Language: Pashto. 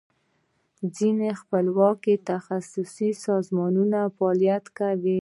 ځینې خپلواکي تخصصي سازمانونو فعالیت کاو.